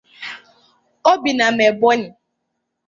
Ọ bi na Melbourne.